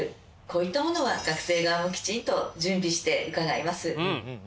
こういったものは学生側もきちんと準備して伺います。